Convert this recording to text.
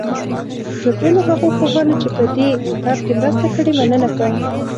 له ټولو هغو پوهانو چې په دې کتاب کې مرسته کړې مننه کوم.